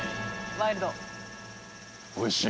ワイルド。